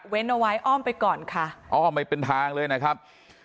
เอาไว้อ้อมไปก่อนค่ะอ้อมไม่เป็นทางเลยนะครับ